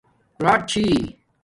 راچ چھی